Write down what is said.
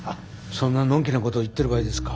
そんなのんきなことを言ってる場合ですか。